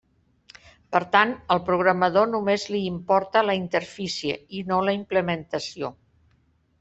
Per tant, al programador només li importa la interfície i no la implementació.